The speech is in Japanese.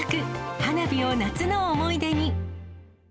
花火を夏の思い出に。